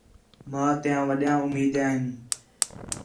ماں تیاں وݙیاں اُمیدیاں ہین